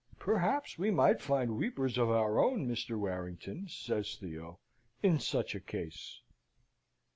"Perhaps we might find weepers of our own, Mr. Warrington," says Theo, "in such a case."